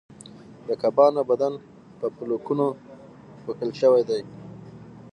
د کبانو بدن په پولکونو پوښل شوی دی